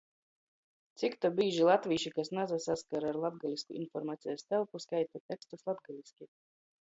Cik to bīži latvīši, kas nasasakar ar latgaliskū informacejis telpu, skaita tekstus latgaliski?